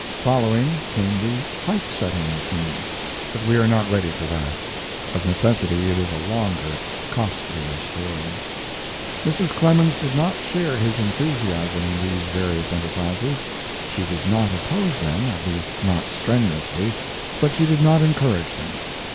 Following came the type setting machine, but we are not ready for that. Of necessity it is a longer, costlier story. Mrs. Clemens did not share his enthusiasm in these various enterprises. She did not oppose them, at least not strenuously, but she did not encourage them.